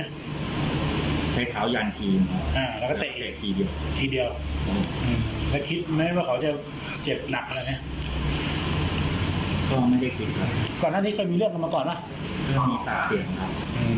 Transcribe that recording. ก็ไม่ได้คิดครับก่อนหน้านี้เคยมีเรื่องขึ้นมาก่อนไหมมีตาเสียงครับอืม